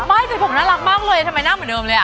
ไม่แต่ผมน่ารักมากเลยทำไมน่าเหมือนเดิมเลยอะ